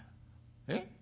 えっ？